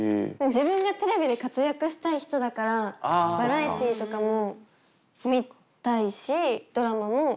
自分がテレビで活躍したい人だからバラエティとかも見たいしドラマも。